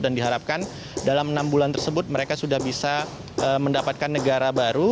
dan diharapkan dalam enam bulan tersebut mereka sudah bisa mendapatkan negara baru